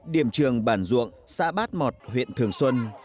điểm trường bản duộng xã bát mọt huyện thường xuân